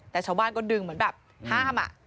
แต่ชาวบ้านก็ดึงเหมือนแบบห้าม